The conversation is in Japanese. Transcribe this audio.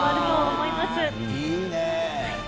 いいね。